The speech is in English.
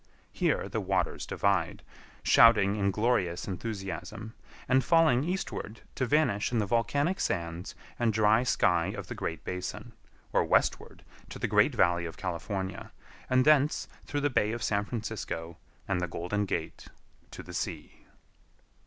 Here the waters divide, shouting in glorious enthusiasm, and falling eastward to vanish in the volcanic sands and dry sky of the Great Basin, or westward to the Great Valley of California, and thence through the Bay of San Francisco and the Golden Gate to the sea.